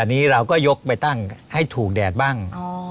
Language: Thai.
อันนี้เราก็ยกไปตั้งให้ถูกแดดบ้าง